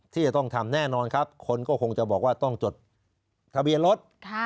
ที่จะต้องทำแน่นอนครับคนก็คงจะบอกว่าต้องจดทะเบียนรถ